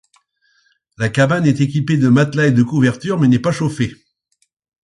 La cabane est équipée de matelas et de couvertures mais n'est pas chauffée.